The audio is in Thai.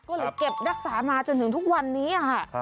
ก็เลยเก็บรักษามาจนถึงทุกวันนี้ค่ะ